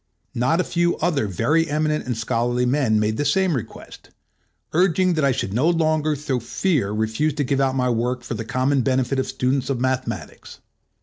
Not a few other very eminent and scholarly men made the same request, urging that I should no longer through fear refuse to give out my work for the common benefit of students of Mathematics.